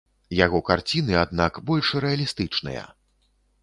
Яго карціны, аднак, больш рэалістычныя.